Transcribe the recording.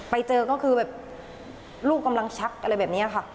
ไปเจอก็คือแบบลูกกำลังชักอะไรแบบนี้ค่ะ